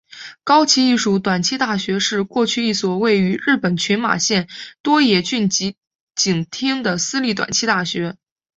高崎艺术短期大学是过去一所位于日本群马县多野郡吉井町的私立短期大学。